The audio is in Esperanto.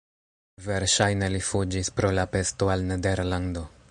Verŝajne li fuĝis pro la pesto al Nederlando.